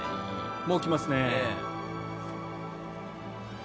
もう来ますね。